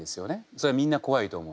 それはみんなこわいと思う。